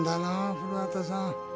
古畑さん。